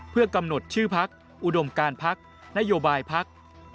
เพื่อกำหนดชื่อพักอุดมการพักนโยบายพัก